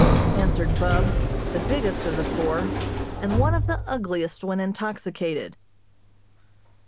answered Bub, the biggest of the four, and one of the ugliest when intoxicated.